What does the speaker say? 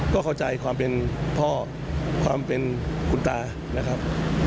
ก็เข้าใจความเป็นพ่อความเป็นคุณตานะครับ